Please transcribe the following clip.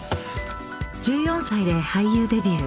［１４歳で俳優デビュー］